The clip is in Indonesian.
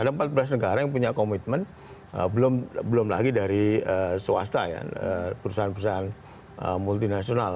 ada empat belas negara yang punya komitmen belum lagi dari swasta ya perusahaan perusahaan multinasional